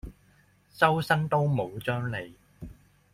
周身刀冇張利